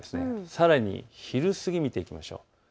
さらに昼過ぎ、見ていきましょう。